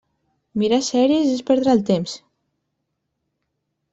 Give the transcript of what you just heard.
Mirar sèries és perdre el temps.